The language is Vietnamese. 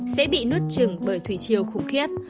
sẽ bị nuốt trừng bởi thủy chiều khủng khiếp